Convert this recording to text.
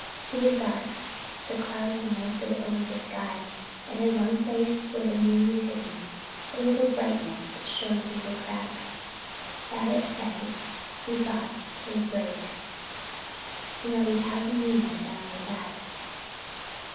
It was dark; the clouds mottled over the sky; and in one place, where the moon was hidden, a little brightness showing through the cracks. Babbitts said he thought they'd break and that we'd have the moonlight on our way back.